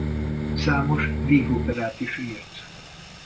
Számos vígoperát is írt.